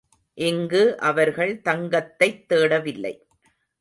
இங்கு அவர்கள் தங்கத்தைத் தேடவில்லை.